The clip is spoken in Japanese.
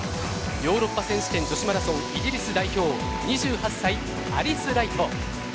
ヨーロッパ選手権女子マラソンイギリス代表２８歳、アリス・ライト。